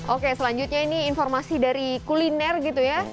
oke selanjutnya ini informasi dari kuliner gitu ya